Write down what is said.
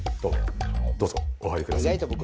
どうぞお入りください。